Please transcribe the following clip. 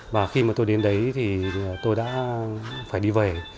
và khi mà tôi đến đấy thì tôi đã phải đi về